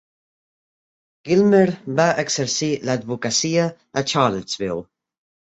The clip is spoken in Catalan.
Gilmer va exercir la advocacia a Charlottesville.